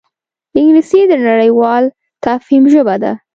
انګلیسي د نړیوال تفهیم ژبه ده